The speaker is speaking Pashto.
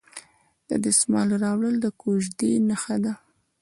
د دسمال راوړل د کوژدې نښه ده.